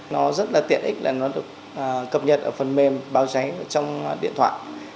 nó rất là tiện ích là nó được cập nhật ở phần mềm báo cháy trong điện thoại